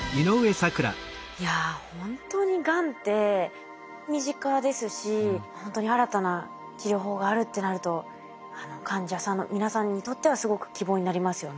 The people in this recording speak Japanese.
いやほんとにがんって身近ですしほんとに新たな治療法があるってなると患者さんの皆さんにとってはすごく希望になりますよね。